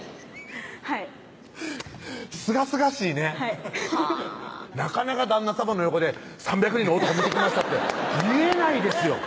はいすがすがしいねはいなかなか旦那さまの横で「３００人の男見てきました」って言えないですよ